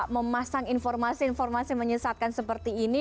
memasang informasi informasi menyesatkan seperti ini